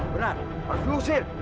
benar harus diusir